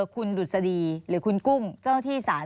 คุณดุษฎีหรือคุณกุ้งเจ้าหน้าที่ศาล